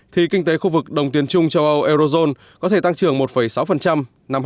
thì kinh tế khu vực đồng tiền trung châu âu eurozone có thể tăng trưởng một sáu năm hai nghìn hai mươi